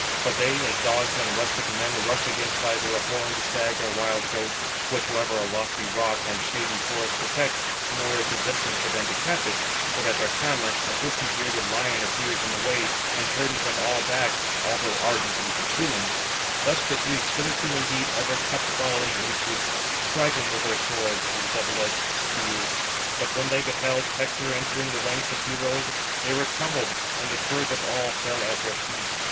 But they—as dogs and rustic men rush against either a horned stag or wild goat; which however a lofty rock and shady forest protect, nor is it destined for them to catch it; but at their clamour 492 a bushy bearded lion appears in the way, and turns them all back, although ardently pursuing: thus the Greeks hitherto indeed ever kept following in troops, striking with their swords and double edged spears. But when they beheld Hector entering the ranks of heroes, they were troubled, and the courage of all fell at their feet.